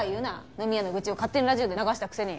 飲み屋の愚痴を勝手にラジオで流したくせに。